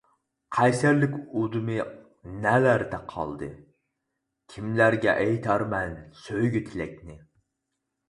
قەيسەرلىك ئۇدۇمى نەلەردە قالدى كىملەرگە ئېيتارمەن سۆيگۈ-تىلەكنى؟ !